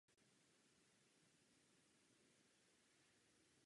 Na University of Southern Mississippi vyučuje obor antropologie.